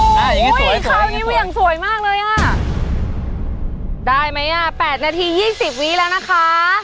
เฮ้ยโอ้โหคราวนี้มันอย่างสวยมากเลยอ่ะได้ไหมอ่ะ๘นาที๒๐วีแล้วนะคะ